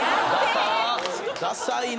ダサいな。